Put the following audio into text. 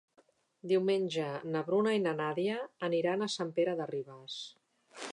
Diumenge na Bruna i na Nàdia aniran a Sant Pere de Ribes.